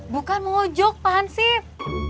bukan mojok pak hansip